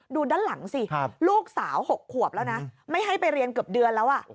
ดูด้านหลังสิลูกสาว๖ขวบแล้วนะไม่ให้ไปเรียนเกือบเดือนแล้ว